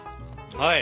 はい。